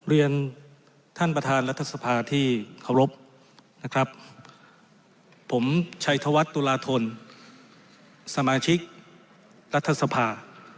เรียนท่านประธานรัฐสภาที่เคารพนะครับผมชัยธวัฒน์ตุลาธนสมาชิกรัฐสภา